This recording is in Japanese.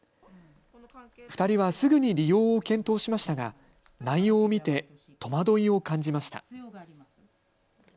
２人は、すぐに利用を検討しましたが内容を見て戸惑いを感じました。